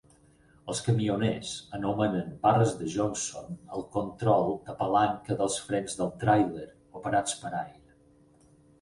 Els camioners anomenen "barres de Johnson" al control de palanca dels frens del tràiler operats per aire.